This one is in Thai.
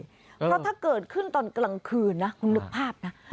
เพราะถ้าเกิดขึ้นตอนกลางคืนนะคุณนึกภาพนะ